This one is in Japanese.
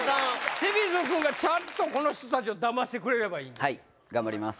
清水くんがちゃんとこの人たちをダマしてくれればいいんですよはい頑張ります